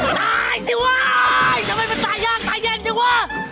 ตายสิวิทำไมมันตายย่างตายเย็นสิวะ